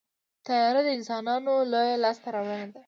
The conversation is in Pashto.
طیاره د انسانانو لویه لاسته راوړنه ده.